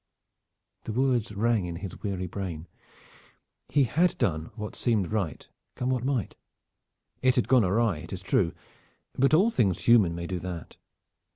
The words rang in his weary brain. He had done what seemed right, come what might. It had gone awry, it is true; but all things human may do that.